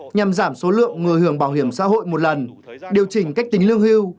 nhằm giảm số lượng người hưởng bảo hiểm xã hội một lần điều chỉnh cách tính lương hưu